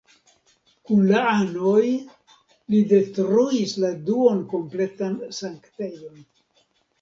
Kun la anoj, li detruis la duon-kompletan sanktejon.